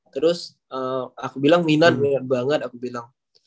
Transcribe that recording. terus aku bilang minat minat banget aku bilang